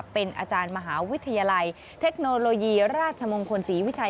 เป็นอาจารย์มหาวิทยาลัยเทคโนโลยีราชมงคลศรีวิชัย